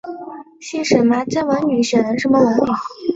长期照护的提供服务形式可分为常规与非常规。